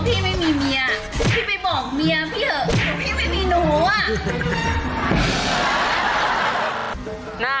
พี่ไม่มีหนูอ่ะ